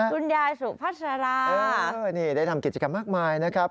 คุณยายสุพัสรานี่ได้ทำกิจกรรมมากมายนะครับ